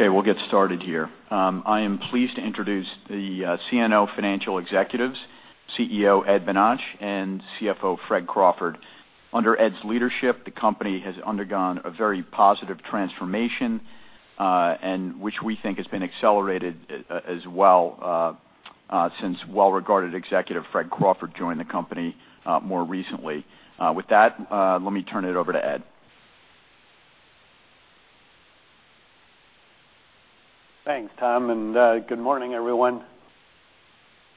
Okay, we'll get started here. I am pleased to introduce the CNO Financial executives, CEO Ed Bonach, and CFO Fred Crawford. Under Ed's leadership, the company has undergone a very positive transformation, and which we think has been accelerated as well since well-regarded executive Fred Crawford joined the company more recently. With that, let me turn it over to Ed. Thanks, Tom, and good morning, everyone.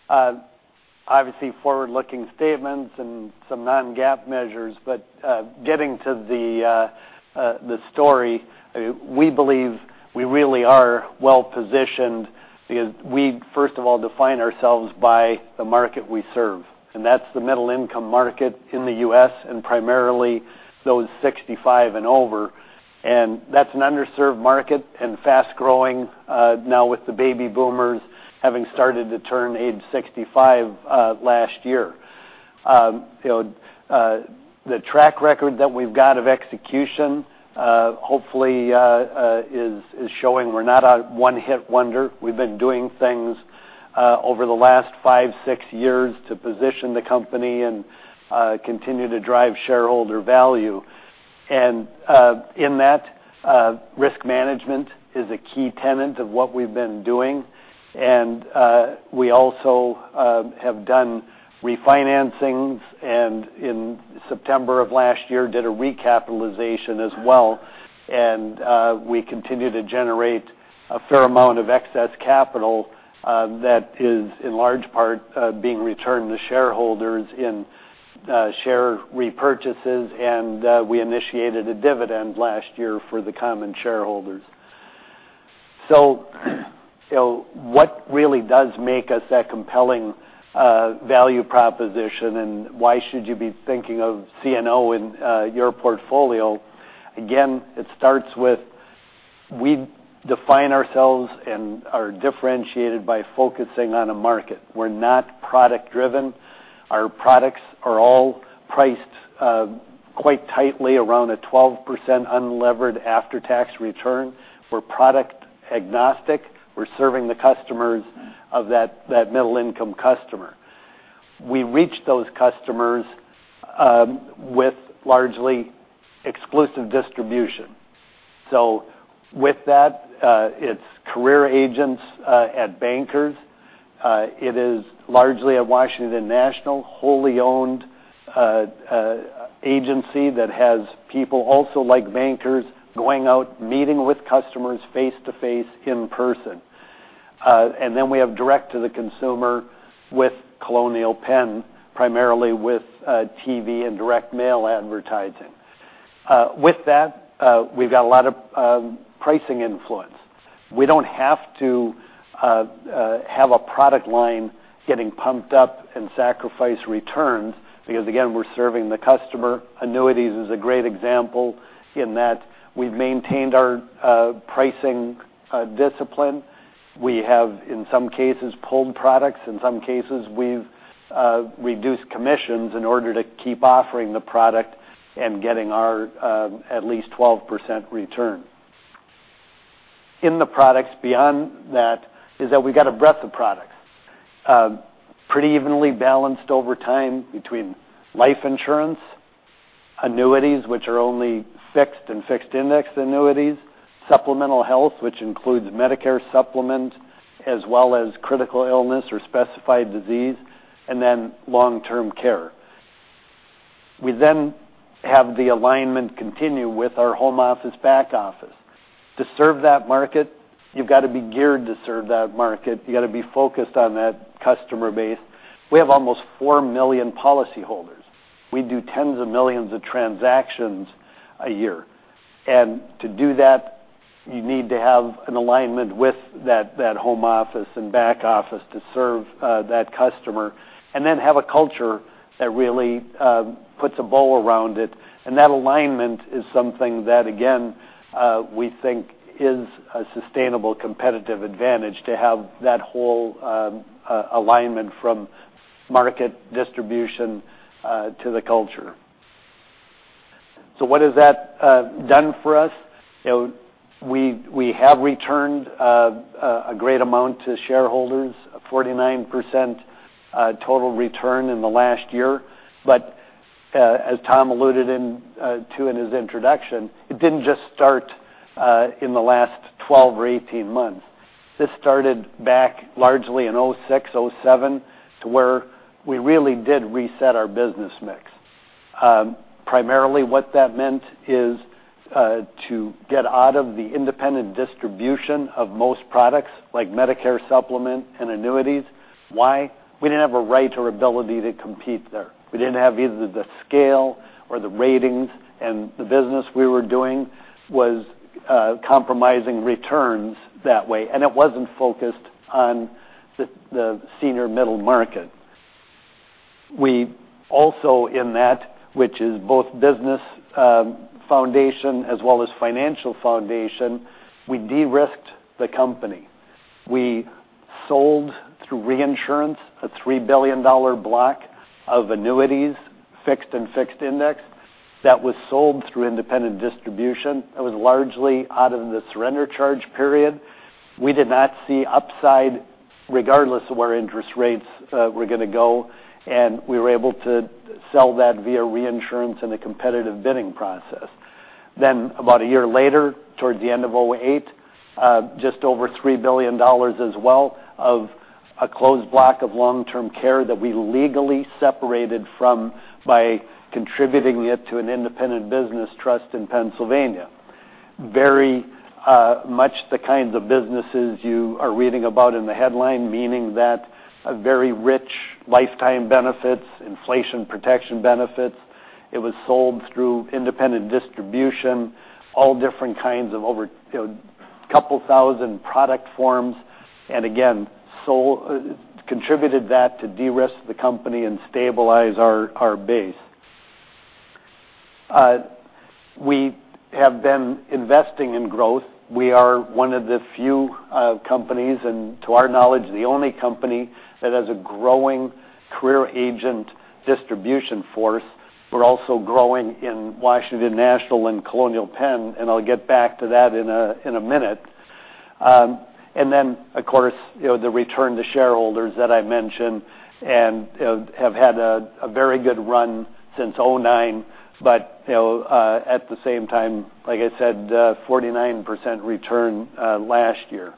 Obviously, forward-looking statements and some non-GAAP measures, but getting to the story, we believe we really are well-positioned because we, first of all, define ourselves by the market we serve, and that's the middle-income market in the U.S. and primarily those 65 and over. That's an underserved market and fast-growing now with the baby boomers having started to turn age 65 last year. The track record that we've got of execution, hopefully, is showing we're not a one-hit wonder. We've been doing things over the last five, six years to position the company and continue to drive shareholder value. In that, risk management is a key tenet of what we've been doing, and we also have done refinancings and in September of last year, did a recapitalization as well. We continue to generate a fair amount of excess capital that is in large part being returned to shareholders in share repurchases, and we initiated a dividend last year for the common shareholders. What really does make us a compelling value proposition, and why should you be thinking of CNO in your portfolio? Again, it starts with we define ourselves and are differentiated by focusing on a market. We're not product driven. Our products are all priced quite tightly around a 12% unlevered after-tax return. We're product agnostic. We're serving the customers of that middle-income customer. We reach those customers with largely exclusive distribution. With that, it's career agents at Bankers. It is largely a Washington National wholly owned agency that has people also like Bankers going out, meeting with customers face-to-face in person. We have direct to the consumer with Colonial Penn, primarily with TV and direct mail advertising. With that, we've got a lot of pricing influence. We don't have to have a product line getting pumped up and sacrifice returns because, again, we're serving the customer. Annuities is a great example in that we've maintained our pricing discipline. We have, in some cases, pulled products. In some cases, we've reduced commissions in order to keep offering the product and getting our at least 12% return. In the products beyond that is that we've got a breadth of products. Pretty evenly balanced over time between life insurance, annuities, which are only fixed and fixed index annuities, supplemental health, which includes Medicare Supplement, as well as critical illness or specified disease, and then long-term care. We have the alignment continue with our home office back office. To serve that market, you've got to be geared to serve that market. You got to be focused on that customer base. We have almost 4 million policyholders. We do tens of millions of transactions a year. To do that, you need to have an alignment with that home office and back office to serve that customer, and then have a culture that really puts a bow around it. That alignment is something that, again, we think is a sustainable competitive advantage to have that whole alignment from market distribution to the culture. What has that done for us? We have returned a great amount to shareholders, a 49% total return in the last year. As Tom alluded to in his introduction, it didn't just start in the last 12 or 18 months. This started back largely in 2006, 2007, to where we really did reset our business mix. Primarily, what that meant is to get out of the independent distribution of most products like Medicare Supplement and annuities. Why? We didn't have a right or ability to compete there. We didn't have either the scale or the ratings, and the business we were doing was compromising returns that way, and it wasn't focused on the senior middle market. We also in that, which is both business foundation as well as financial foundation, we de-risked the company. We sold through reinsurance, a $3 billion block of annuities, fixed and fixed index, that was sold through independent distribution. It was largely out of the surrender charge period. We did not see upside regardless of where interest rates were going to go, and we were able to sell that via reinsurance in a competitive bidding process. About a year later, towards the end of 2008, just over $3 billion as well of a closed block of long-term care that we legally separated from by contributing it to an independent business trust in Pennsylvania. Very much the kinds of businesses you are reading about in the headline, meaning that a very rich lifetime benefits, inflation protection benefits. It was sold through independent distribution, all different kinds of over 2,000 product forms. Again, contributed that to de-risk the company and stabilize our base. We have been investing in growth. We are one of the few companies, and to our knowledge, the only company that has a growing career agent distribution force. We're also growing in Washington National and Colonial Penn, and I'll get back to that in a minute. Then, of course, the return to shareholders that I mentioned, and have had a very good run since 2009, but at the same time, like I said, 49% return last year.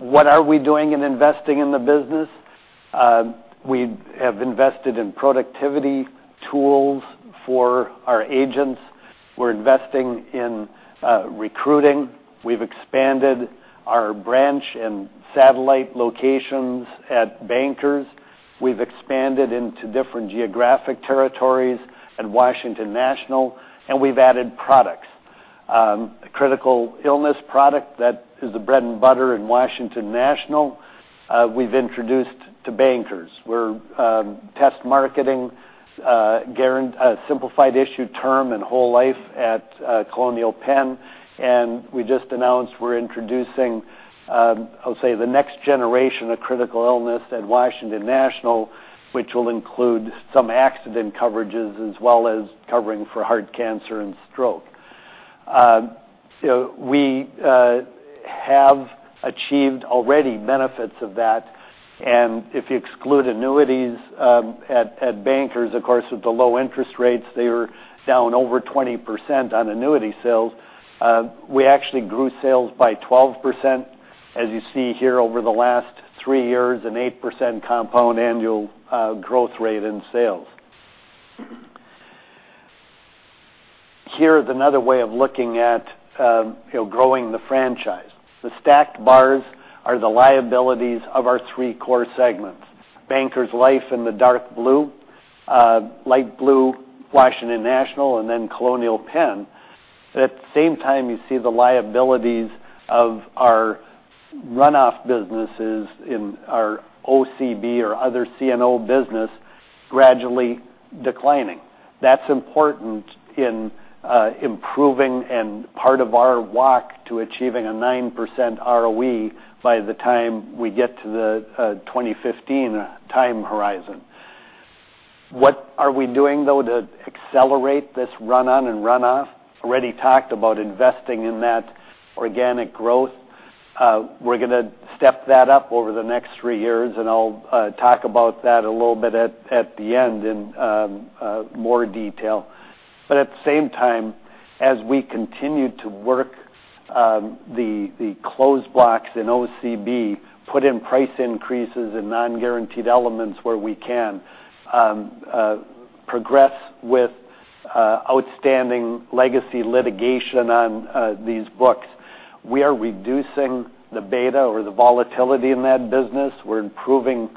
What are we doing in investing in the business? We have invested in productivity tools for our agents. We're investing in recruiting. We've expanded our branch and satellite locations at Bankers. We've expanded into different geographic territories at Washington National, and we've added products. A critical illness product that is the bread and butter in Washington National, we've introduced to Bankers. We're test marketing simplified issue term and whole life at Colonial Penn. We just announced we're introducing, I'll say the next generation of critical illness at Washington National, which will include some accident coverages as well as covering for heart cancer and stroke. We have achieved already benefits of that. If you exclude annuities at Bankers, of course, with the low interest rates, they were down over 20% on annuity sales. We actually grew sales by 12%, as you see here over the last three years, an 8% compound annual growth rate in sales. Here is another way of looking at growing the franchise. The stacked bars are the liabilities of our three core segments, Bankers Life in the dark blue, light blue, Washington National, and then Colonial Penn. At the same time, you see the liabilities of our runoff businesses in our OCB or other CNO business gradually declining. That's important in improving and part of our walk to achieving a 9% ROE by the time we get to the 2015 time horizon. What are we doing, though, to accelerate this run on and run off? Already talked about investing in that organic growth. We're going to step that up over the next three years. I'll talk about that a little bit at the end in more detail. At the same time, as we continue to work the closed blocks in OCB, put in price increases in non-guaranteed elements where we can, progress with outstanding legacy litigation on these books. We are reducing the beta or the volatility in that business. We're improving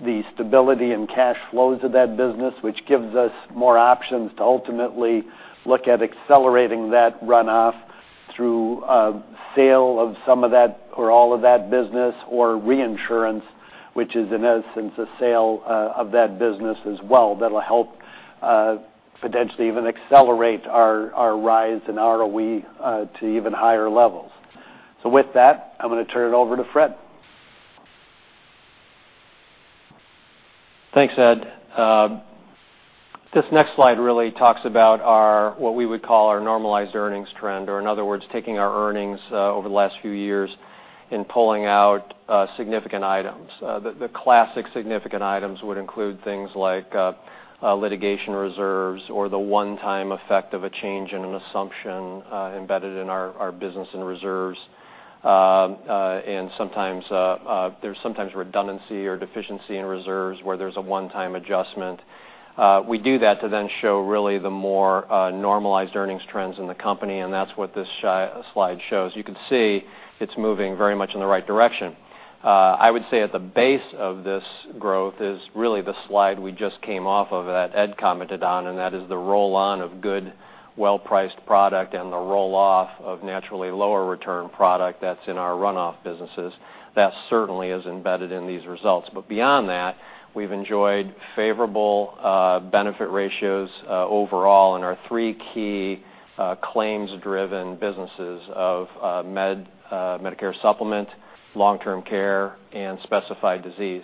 the stability and cash flows of that business, which gives us more options to ultimately look at accelerating that runoff through sale of some of that or all of that business, or reinsurance, which is in essence, a sale of that business as well. That'll help potentially even accelerate our rise in ROE to even higher levels. With that, I'm going to turn it over to Fred. Thanks, Ed. This next slide really talks about what we would call our normalized earnings trend, or in other words, taking our earnings over the last few years and pulling out significant items. The classic significant items would include things like litigation reserves or the one-time effect of a change in an assumption embedded in our business and reserves. There's sometimes redundancy or deficiency in reserves where there's a one-time adjustment. We do that to then show really the more normalized earnings trends in the company. That's what this slide shows. You can see it's moving very much in the right direction. I would say at the base of this growth is really the slide we just came off of that Ed commented on, that is the roll-on of good, well-priced product and the roll-off of naturally lower return product that's in our runoff businesses. That certainly is embedded in these results. Beyond that, we've enjoyed favorable benefit ratios overall in our three key claims-driven businesses of Medicare Supplement, Long-Term Care, and Specified Disease.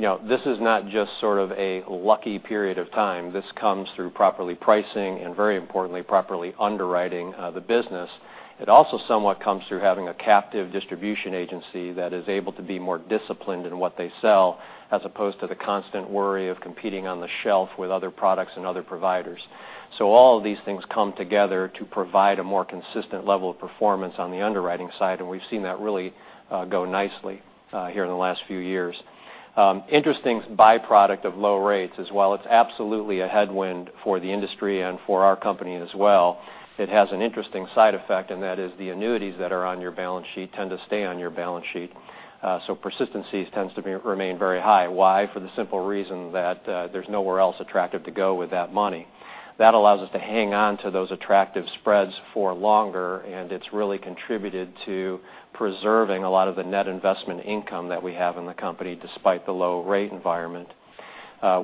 This is not just sort of a lucky period of time. This comes through properly pricing, and very importantly, properly underwriting the business. It also somewhat comes through having a captive distribution agency that is able to be more disciplined in what they sell, as opposed to the constant worry of competing on the shelf with other products and other providers. All of these things come together to provide a more consistent level of performance on the underwriting side, and we've seen that really go nicely here in the last few years. Interesting byproduct of low rates as well. It's absolutely a headwind for the industry and for our company as well. It has an interesting side effect, that is the annuities that are on your balance sheet tend to stay on your balance sheet. Persistency tends to remain very high. Why? For the simple reason that there's nowhere else attractive to go with that money. That allows us to hang on to those attractive spreads for longer, and it's really contributed to preserving a lot of the net investment income that we have in the company, despite the low rate environment.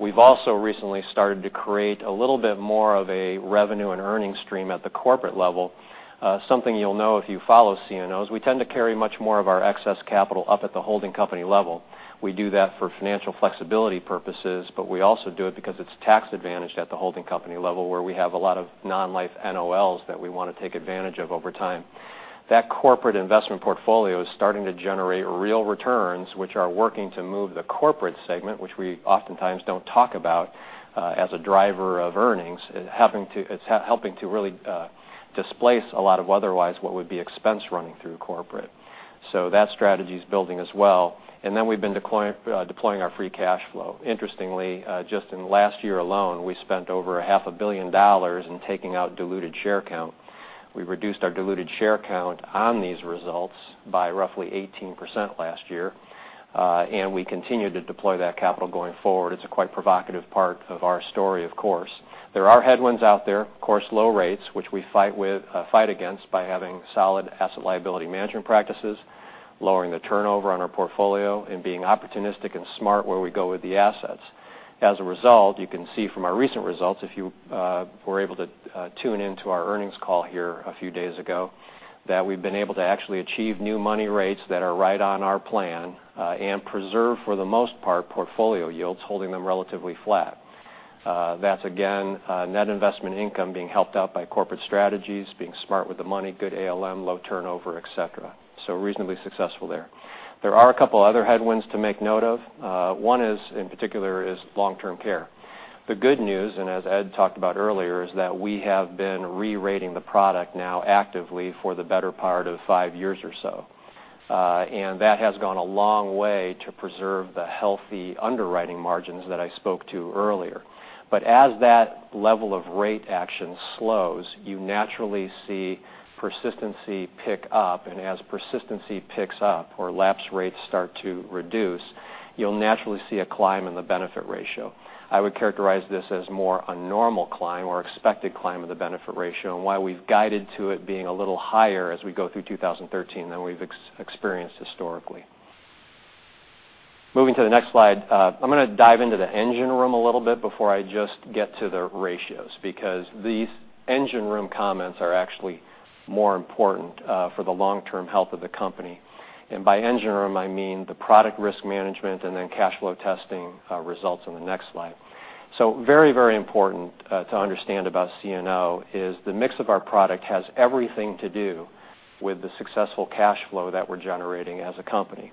We've also recently started to create a little bit more of a revenue and earnings stream at the corporate level. Something you'll know if you follow CNO is we tend to carry much more of our excess capital up at the holding company level. We do that for financial flexibility purposes, we also do it because it's tax-advantaged at the holding company level, where we have a lot of non-life NOLs that we want to take advantage of over time. That corporate investment portfolio is starting to generate real returns, which are working to move the corporate segment, which we oftentimes don't talk about as a driver of earnings. It's helping to really displace a lot of otherwise what would be expense running through corporate. That strategy is building as well. Then we've been deploying our free cash flow. Interestingly, just in the last year alone, we spent over a half a billion dollars in taking out diluted share count. We reduced our diluted share count on these results by roughly 18% last year. We continue to deploy that capital going forward. It's a quite provocative part of our story, of course. There are headwinds out there. Of course, low rates, which we fight against by having solid asset liability management practices, lowering the turnover on our portfolio, and being opportunistic and smart where we go with the assets. As a result, you can see from our recent results, if you were able to tune into our earnings call here a few days ago, that we've been able to actually achieve new money rates that are right on our plan, and preserve, for the most part, portfolio yields, holding them relatively flat. That's, again, net investment income being helped out by corporate strategies, being smart with the money, good ALM, low turnover, et cetera. Reasonably successful there. There are a couple other headwinds to make note of. One in particular is Long-Term Care. The good news, as Ed talked about earlier, is that we have been re-rating the product now actively for the better part of five years or so. That has gone a long way to preserve the healthy underwriting margins that I spoke to earlier. As that level of rate action slows, you naturally see persistency pick up, and as persistency picks up or lapse rates start to reduce, you'll naturally see a climb in the benefit ratio. I would characterize this as more a normal climb or expected climb of the benefit ratio, and why we've guided to it being a little higher as we go through 2013 than we've experienced historically. Moving to the next slide. I'm going to dive into the engine room a little bit before I just get to the ratios, because these engine room comments are actually more important for the long-term health of the company. By engine room, I mean the product risk management and then cash flow testing results in the next slide. Very important to understand about CNO is the mix of our product has everything to do with the successful cash flow that we're generating as a company.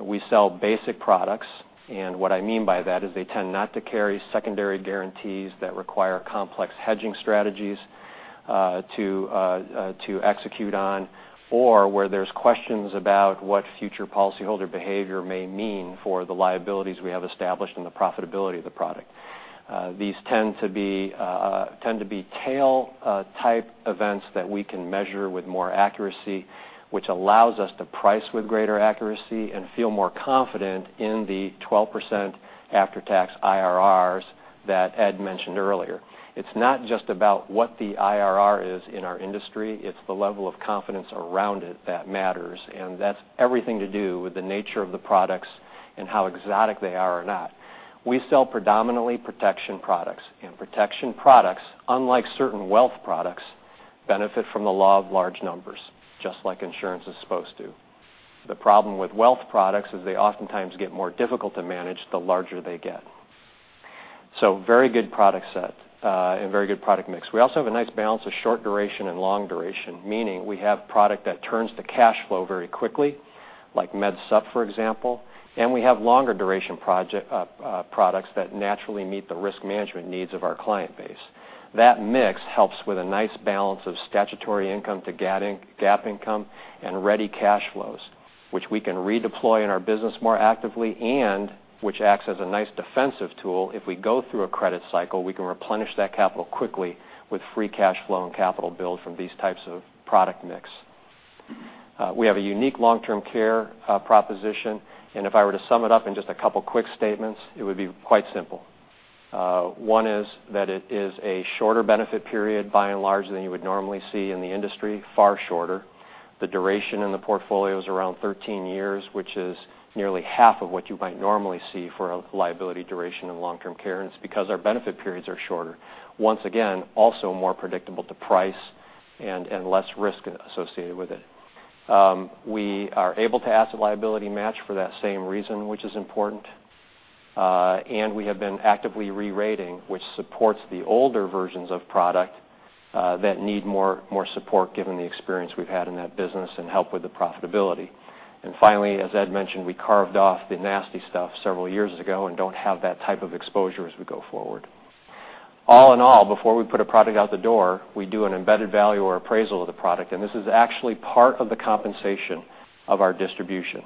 We sell basic products, and what I mean by that is they tend not to carry secondary guarantees that require complex hedging strategies to execute on, or where there's questions about what future policyholder behavior may mean for the liabilities we have established and the profitability of the product. These tend to be tail-type events that we can measure with more accuracy, which allows us to price with greater accuracy and feel more confident in the 12% after-tax IRRs that Ed mentioned earlier. It's not just about what the IRR is in our industry, it's the level of confidence around it that matters, and that's everything to do with the nature of the products and how exotic they are or not. We sell predominantly protection products, and protection products, unlike certain wealth products, benefit from the law of large numbers, just like insurance is supposed to. The problem with wealth products is they oftentimes get more difficult to manage the larger they get. Very good product set and very good product mix. We also have a nice balance of short duration and long duration, meaning we have product that turns to cash flow very quickly, like Med Supp, for example, and we have longer duration products that naturally meet the risk management needs of our client base. That mix helps with a nice balance of statutory income to GAAP income and ready cash flows, which we can redeploy in our business more actively and which acts as a nice defensive tool. If we go through a credit cycle, we can replenish that capital quickly with free cash flow and capital build from these types of product mix. We have a unique long-term care proposition, and if I were to sum it up in just a couple quick statements, it would be quite simple. It is a shorter benefit period by and large than you would normally see in the industry, far shorter. The duration in the portfolio is around 13 years, which is nearly half of what you might normally see for a liability duration in long-term care, and it's because our benefit periods are shorter. Once again, also more predictable to price and less risk associated with it. We are able to asset-liability match for that same reason, which is important. We have been actively re-rating, which supports the older versions of product that need more support given the experience we've had in that business and help with the profitability. Finally, as Ed mentioned, we carved off the nasty stuff several years ago and don't have that type of exposure as we go forward. All in all, before we put a product out the door, we do an embedded value or appraisal of the product, and this is actually part of the compensation of our distribution.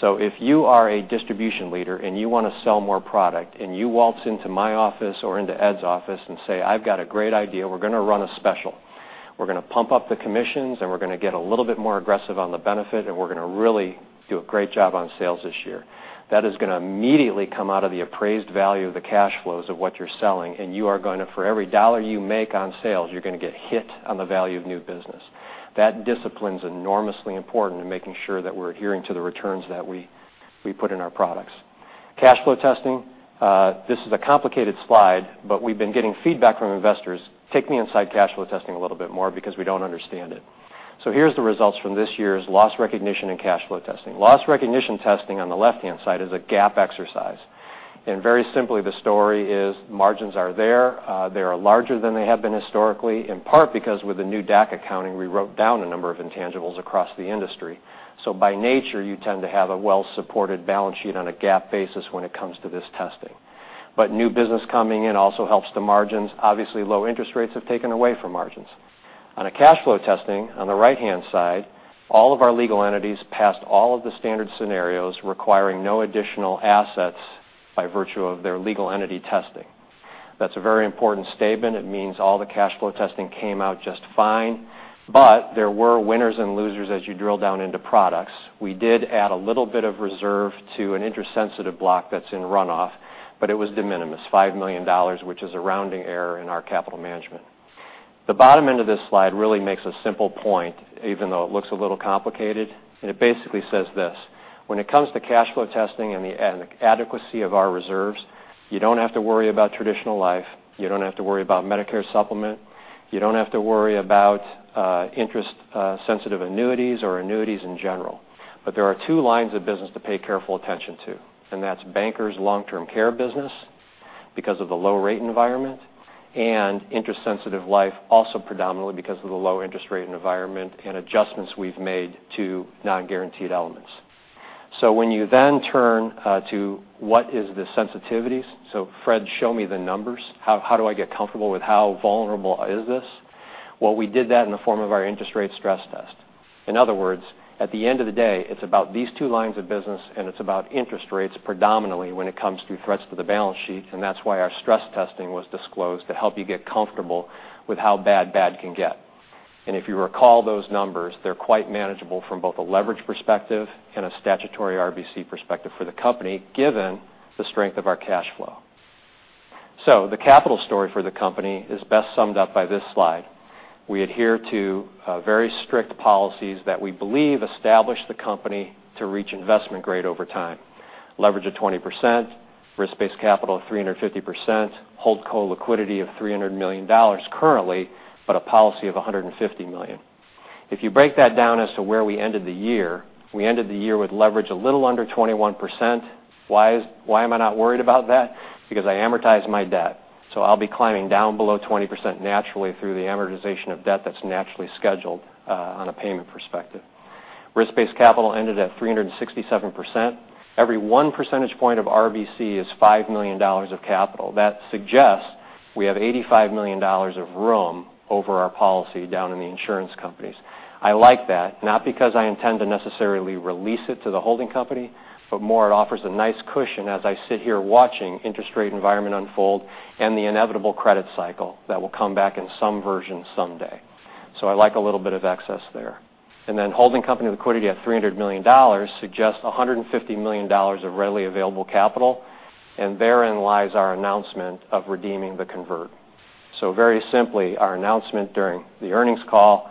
If you are a distribution leader and you want to sell more product, and you waltz into my office or into Ed's office and say, "I've got a great idea. We're going to run a special. We're going to pump up the commissions, and we're going to get a little bit more aggressive on the benefit, and we're going to really do a great job on sales this year." That is going to immediately come out of the appraised value of the cash flows of what you're selling, and you are going to, for every dollar you make on sales, you're going to get hit on the value of new business. That discipline is enormously important in making sure that we're adhering to the returns that we put in our products. Cash flow testing. This is a complicated slide, but we've been getting feedback from investors, "Take me inside cash flow testing a little bit more because we don't understand it." Here's the results from this year's loss recognition and cash flow testing. Loss recognition testing on the left-hand side is a GAAP exercise. Very simply, the story is margins are there. They are larger than they have been historically, in part because with the new DAC accounting, we wrote down a number of intangibles across the industry. By nature, you tend to have a well-supported balance sheet on a GAAP basis when it comes to this testing. New business coming in also helps the margins. Obviously, low interest rates have taken away from margins. On a cash flow testing, on the right-hand side, all of our legal entities passed all of the standard scenarios requiring no additional assets by virtue of their legal entity testing. That's a very important statement. It means all the cash flow testing came out just fine, but there were winners and losers as you drill down into products. We did add a little bit of reserve to an interest-sensitive block that's in runoff, but it was de minimis, $5 million, which is a rounding error in our capital management. The bottom end of this slide really makes a simple point, even though it looks a little complicated, it basically says this. When it comes to cash flow testing and the adequacy of our reserves, you don't have to worry about traditional life, you don't have to worry about Medicare Supplement, you don't have to worry about interest-sensitive annuities or annuities in general. There are two lines of business to pay careful attention to, and that's Bankers Life's long-term care business because of the low rate environment, and interest sensitive life, also predominantly because of the low interest rate environment and adjustments we've made to non-guaranteed elements. When you then turn to what is the sensitivities? Fred, show me the numbers. How do I get comfortable with how vulnerable is this? We did that in the form of our interest rate stress test. In other words, at the end of the day, it's about these two lines of business, and it's about interest rates predominantly when it comes to threats to the balance sheet, and that's why our stress testing was disclosed to help you get comfortable with how bad can get. If you recall those numbers, they're quite manageable from both a leverage perspective and a statutory RBC perspective for the company, given the strength of our cash flow. The capital story for the company is best summed up by this slide. We adhere to very strict policies that we believe establish the company to reach investment grade over time. Leverage of 20%, risk-based capital of 350%, hold co liquidity of $300 million currently, but a policy of $150 million. If you break that down as to where we ended the year, we ended the year with leverage a little under 21%. Why am I not worried about that? Because I amortize my debt. I'll be climbing down below 20% naturally through the amortization of debt that's naturally scheduled on a payment perspective. Risk-based capital ended at 367%. Every one percentage point of RBC is $5 million of capital. That suggests we have $85 million of room over our policy down in the insurance companies. I like that, not because I intend to necessarily release it to the holding company, but more it offers a nice cushion as I sit here watching interest rate environment unfold and the inevitable credit cycle that will come back in some version someday. I like a little bit of excess there. Holding company liquidity at $300 million suggests $150 million of readily available capital. Therein lies our announcement of redeeming the convert. Very simply, our announcement during the earnings call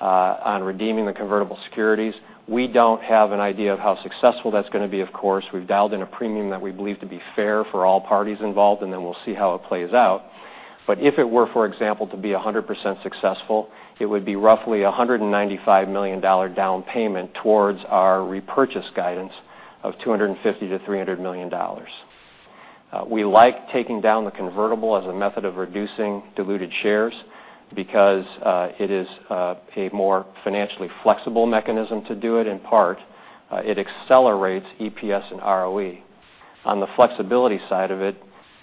on redeeming the convertible securities, we don't have an idea of how successful that's going to be, of course. We've dialed in a premium that we believe to be fair for all parties involved, and then we'll see how it plays out. If it were, for example, to be 100% successful, it would be roughly $195 million down payment towards our repurchase guidance of $250 million-$300 million. We like taking down the convertible as a method of reducing diluted shares because it is a more financially flexible mechanism to do it. It accelerates EPS and ROE. On the flexibility side of it,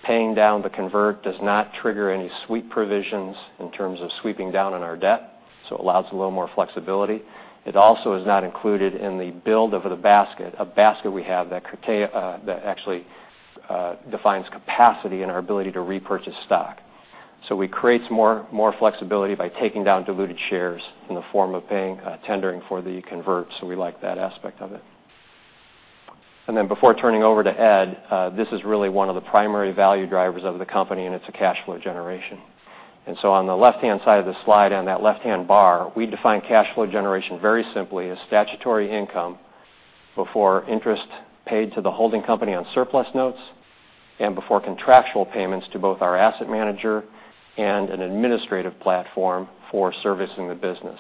paying down the convert does not trigger any sweep provisions in terms of sweeping down on our debt. It allows a little more flexibility. It also is not included in the build of the basket, a basket we have that actually defines capacity in our ability to repurchase stock. We create more flexibility by taking down diluted shares in the form of paying tendering for the convert, so we like that aspect of it. Before turning over to Ed, this is really one of the primary value drivers of the company, and it's a cash flow generation. On the left-hand side of the slide on that left-hand bar, we define cash flow generation very simply as statutory income before interest paid to the holding company on surplus notes. Before contractual payments to both our asset manager and an administrative platform for servicing the business.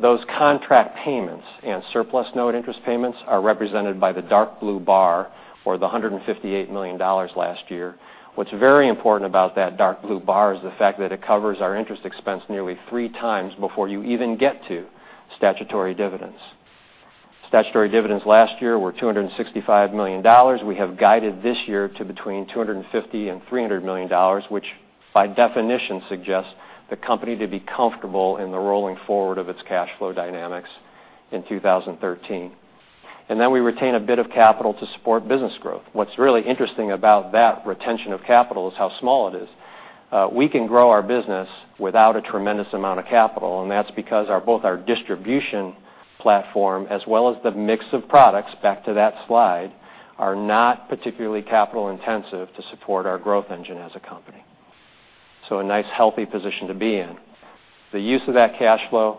Those contract payments and surplus note interest payments are represented by the dark blue bar, or the $158 million last year. What's very important about that dark blue bar is the fact that it covers our interest expense nearly three times before you even get to statutory dividends. Statutory dividends last year were $265 million. We have guided this year to between $250 million-$300 million, which by definition suggests the company to be comfortable in the rolling forward of its cash flow dynamics in 2013. We retain a bit of capital to support business growth. What's really interesting about that retention of capital is how small it is. We can grow our business without a tremendous amount of capital, and that's because both our distribution platform, as well as the mix of products, back to that slide, are not particularly capital intensive to support our growth engine as a company. A nice, healthy position to be in. The use of that cash flow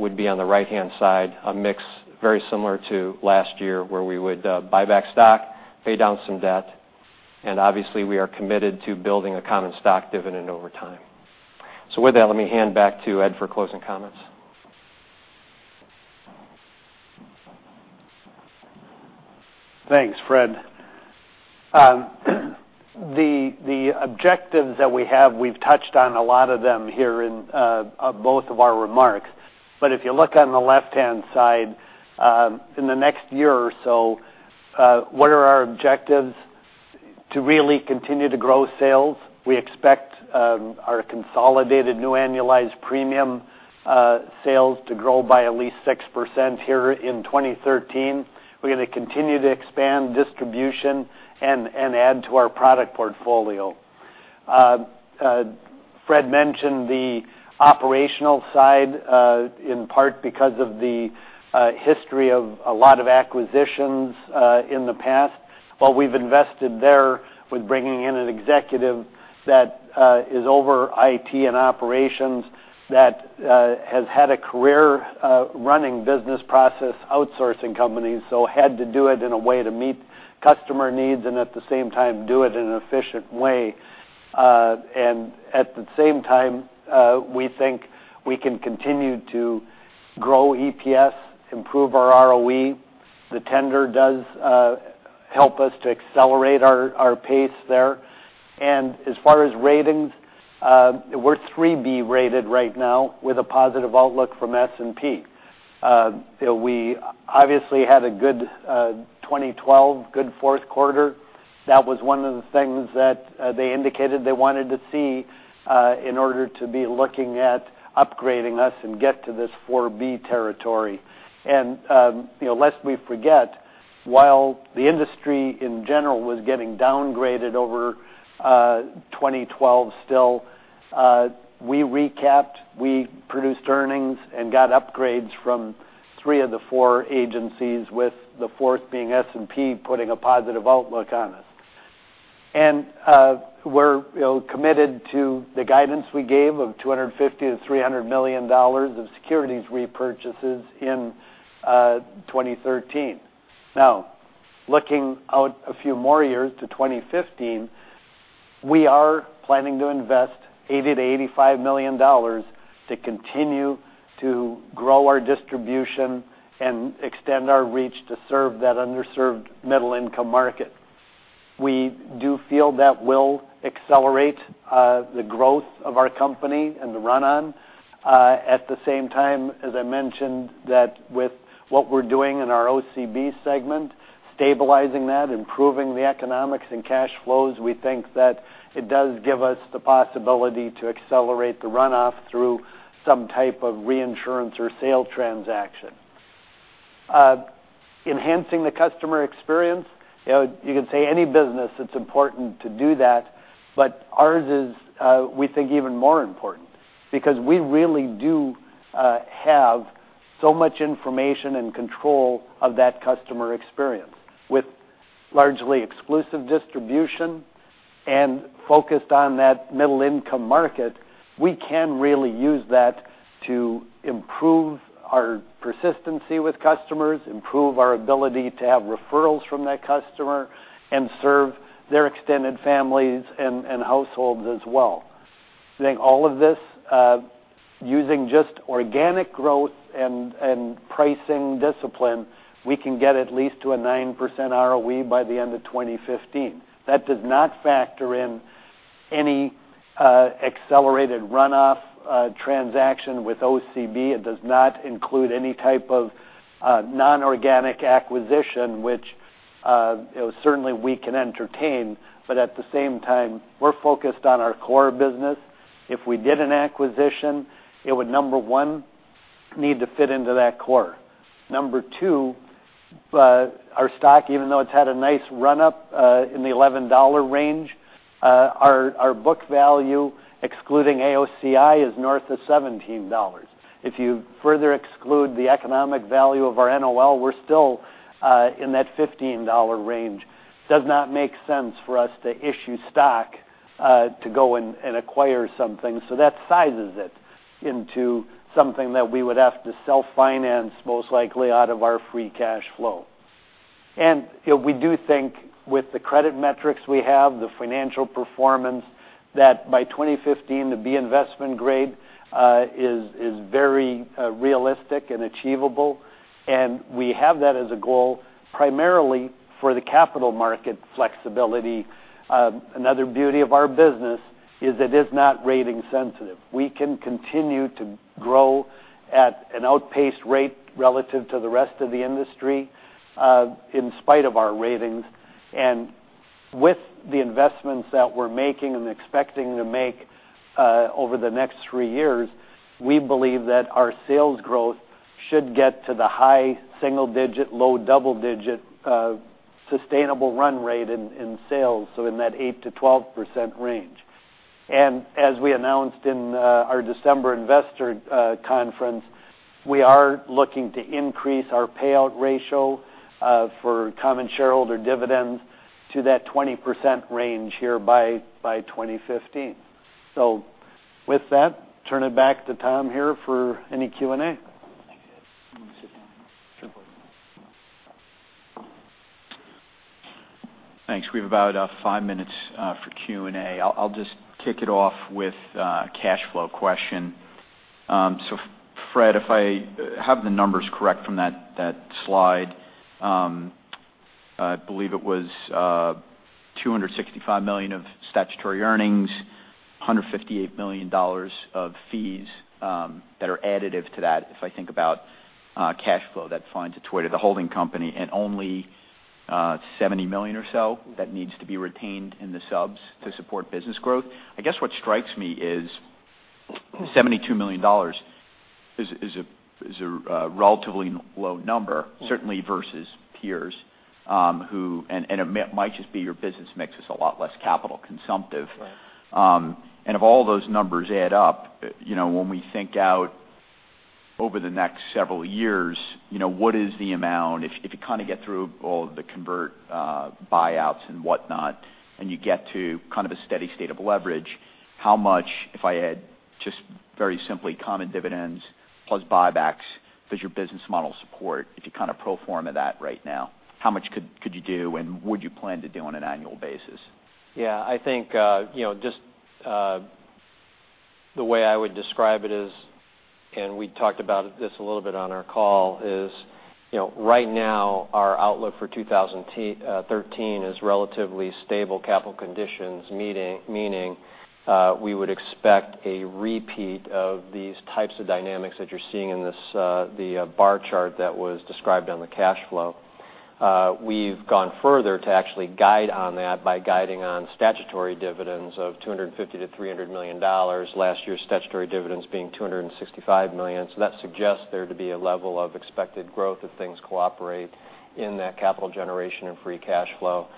would be on the right-hand side, a mix very similar to last year, where we would buy back stock, pay down some debt, and obviously, we are committed to building a common stock dividend over time. With that, let me hand back to Ed for closing comments. Thanks, Fred. The objectives that we have, we've touched on a lot of them here in both of our remarks. If you look on the left-hand side, in the next year or so, what are our objectives? To really continue to grow sales. We expect our consolidated new annualized premium sales to grow by at least 6% here in 2013. We're going to continue to expand distribution and add to our product portfolio. Fred mentioned the operational side, in part because of the history of a lot of acquisitions in the past. We've invested there with bringing in an executive that is over IT and operations that has had a career running business process outsourcing companies, so had to do it in a way to meet customer needs and at the same time, do it in an efficient way. At the same time, we think we can continue to grow EPS, improve our ROE. The tender does help us to accelerate our pace there. As far as ratings, we're BBB rated right now with a positive outlook from S&P. We obviously had a good 2012, good fourth quarter. That was one of the things that they indicated they wanted to see in order to be looking at upgrading us and get to this 4B territory. Lest we forget, while the industry in general was getting downgraded over 2012 still, we recapped, we produced earnings, and got upgrades from three of the four agencies, with the fourth being S&P putting a positive outlook on us. We're committed to the guidance we gave of $250 million-$300 million of securities repurchases in 2013. Now, looking out a few more years to 2015, we are planning to invest $80 million-$85 million to continue to grow our distribution and extend our reach to serve that underserved middle income market. We do feel that will accelerate the growth of our company and the run-on. At the same time, as I mentioned that with what we're doing in our OCB segment, stabilizing that, improving the economics and cash flows, we think that it does give us the possibility to accelerate the runoff through some type of reinsurance or sale transaction. Enhancing the customer experience. You could say any business, it's important to do that, but ours is, we think, even more important because we really do have so much information and control of that customer experience. With largely exclusive distribution and focused on that middle income market, we can really use that to improve our persistency with customers, improve our ability to have referrals from that customer, and serve their extended families and households as well. I think all of this, using just organic growth and pricing discipline, we can get at least to a 9% ROE by the end of 2015. That does not factor in any accelerated runoff transaction with OCB. It does not include any type of non-organic acquisition, which certainly we can entertain. At the same time, we're focused on our core business. If we did an acquisition, it would, number one, need to fit into that core. Number two, our stock, even though it's had a nice run up in the $11 range, our book value, excluding AOCI, is north of $17. If you further exclude the economic value of our NOL, we're still in that $15 range. Does not make sense for us to issue stock to go and acquire something. That sizes it into something that we would have to self-finance, most likely out of our free cash flow. We do think with the credit metrics we have, the financial performance, that by 2015, the BBB investment grade is very realistic and achievable. We have that as a goal primarily for the capital market flexibility. Another beauty of our business is it is not rating sensitive. We can continue to grow at an outpaced rate relative to the rest of the industry in spite of our ratings. With the investments that we're making and expecting to make over the next three years, we believe that our sales growth should get to the high single digit, low double digit sustainable run rate in sales, so in that 8%-12% range. As we announced in our December investor conference, we are looking to increase our payout ratio for common shareholder dividends to that 20% range here by 2015. With that, turn it back to Tom here for any Q&A. Thanks. We have about five minutes for Q&A. I'll just kick it off with a cash flow question. Fred, if I have the numbers correct from that slide, I believe it was $265 million of statutory earnings, $158 million of fees that are additive to that, if I think about cash flow that finds its way to the holding company, and only $70 million or so that needs to be retained in the subs to support business growth. I guess what strikes me is $72 million is a relatively low number, certainly versus peers, and it might just be your business mix is a lot less capital consumptive. Right. If all those numbers add up, when we think out over the next several years, what is the amount, if you get through all of the convert buyouts and whatnot, and you get to a steady state of leverage, how much, if I add just very simply common dividends plus buybacks, does your business model support if you pro forma that right now? How much could you do and would you plan to do on an annual basis? Yeah. I think just the way I would describe it is, we talked about this a little bit on our call, is right now our outlook for 2013 is relatively stable capital conditions, meaning we would expect a repeat of these types of dynamics that you're seeing in the bar chart that was described on the cash flow. We've gone further to actually guide on that by guiding on statutory dividends of $250 million-$300 million. Last year's statutory dividends being $265 million. That suggests there to be a level of expected growth if things cooperate in that capital generation and free cash flow.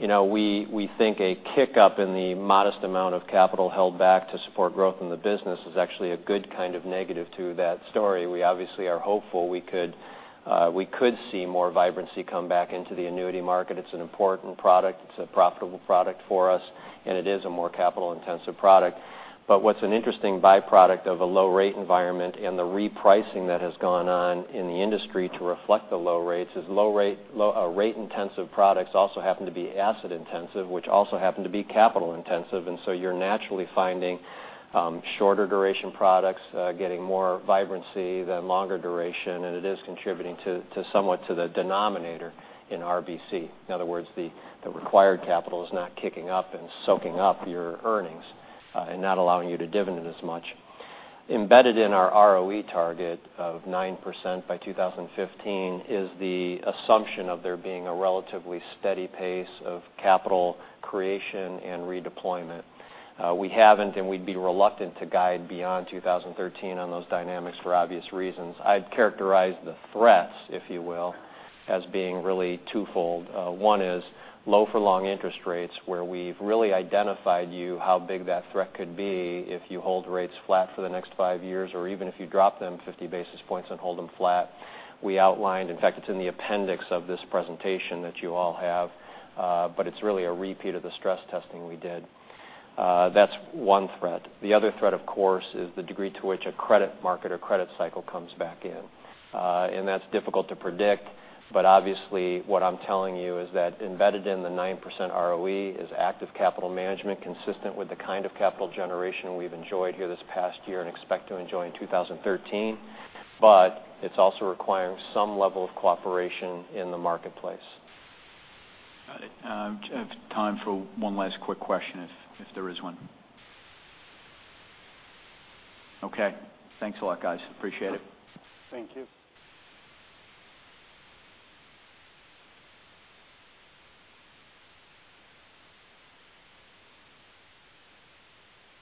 We think a kick up in the modest amount of capital held back to support growth in the business is actually a good kind of negative to that story. We obviously are hopeful we could see more vibrancy come back into the annuity market. It's an important product. It's a profitable product for us, and it is a more capital-intensive product. What's an interesting byproduct of a low rate environment and the repricing that has gone on in the industry to reflect the low rates is rate-intensive products also happen to be asset intensive, which also happen to be capital intensive. You're naturally finding shorter duration products getting more vibrancy than longer duration. It is contributing somewhat to the denominator in RBC. In other words, the required capital is not kicking up and soaking up your earnings and not allowing you to dividend as much. Embedded in our ROE target of 9% by 2015 is the assumption of there being a relatively steady pace of capital creation and redeployment. We haven't, and we'd be reluctant to guide beyond 2013 on those dynamics for obvious reasons. I'd characterize the threats, if you will, as being really twofold. One is low for long interest rates where we've really identified you how big that threat could be if you hold rates flat for the next five years or even if you drop them 50 basis points and hold them flat. We outlined, in fact, it's in the appendix of this presentation that you all have. It's really a repeat of the stress testing we did. That's one threat. The other threat, of course, is the degree to which a credit market or credit cycle comes back in. That's difficult to predict, but obviously what I'm telling you is that embedded in the 9% ROE is active capital management consistent with the kind of capital generation we've enjoyed here this past year and expect to enjoy in 2013. It's also requiring some level of cooperation in the marketplace. Got it. Time for one last quick question if there is one. Okay, thanks a lot guys. Appreciate it. Thank you.